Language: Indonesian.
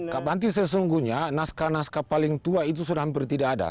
kabanti sesungguhnya naskah naskah paling tua itu sudah hampir tidak ada